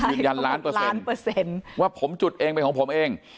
ยืนยันล้านเปอร์เซ็นต์ว่าผมจุดเองเป็นของผมเอง